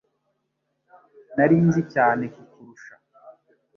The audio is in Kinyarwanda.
Nari nzi cyane kukurusha.